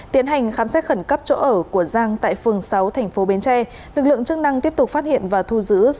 tiến hành khám xét khẩn cấp chỗ ở của giang tại phường sáu thành phố bến tre lực lượng chức năng tiếp tục phát hiện và thu giữ